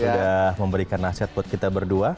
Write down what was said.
sudah memberikan nasihat buat kita berdua